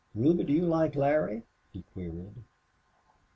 "Ruby, do you like Larry?" he queried.